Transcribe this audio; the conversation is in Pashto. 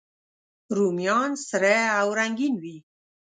رومیان سره او رنګین وي